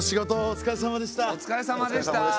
お疲れさまでした。